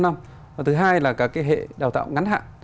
và thứ hai là cả hệ đào tạo ngắn hạn